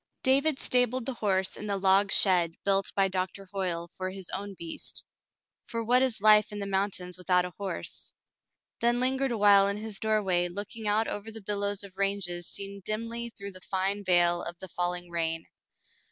David stabled the horse in the log shed built by Doctor Hoyle for his own beast, — for what is life in the mountains without a horse, — then lingered awhile in his doorway looking out over the billows of ranges seen dimly through the fine veil of the falling rain.